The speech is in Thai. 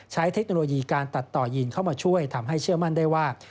เทคโนโลยีการตัดต่อยีนเข้ามาช่วยทำให้เชื่อมั่นได้ว่า